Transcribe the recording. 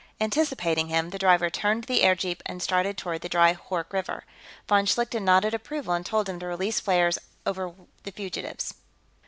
Anticipating him, the driver turned the airjeep and started toward the dry Hoork River. Von Schlichten nodded approval and told him to release flares when over the fugitives.